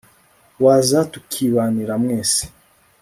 waza tukibanira mwese